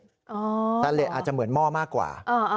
แต่เลสอาจจะเหมือนหม้อมากกว่า